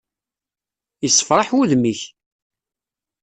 Yessefraḥ wudem-ik!